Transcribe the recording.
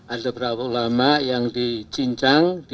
ada beberapa ulama yang dicincang